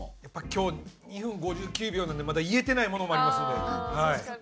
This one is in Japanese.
やっぱり今日２分５９秒なのでまだ言えてないものもありますんで。